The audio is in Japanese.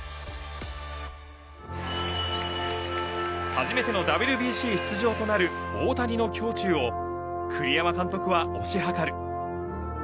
初めてのＷＢＣ出場となる大谷の胸中を栗山監督は推し量る。